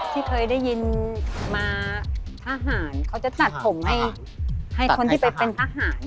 ที่เคยได้ยินมาทหารเขาจะตัดผมให้คนที่ไปเป็นทหาร